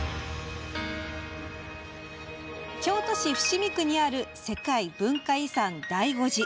京都市伏見区にある世界文化遺産、醍醐寺。